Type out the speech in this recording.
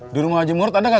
dulu ngajem murut ada gak